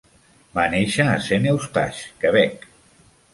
Va néixer a Saint-Eustache, Quebec.